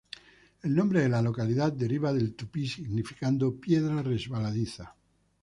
El nombre de la localidad deriva del tupí, significando "piedra resbaladiza".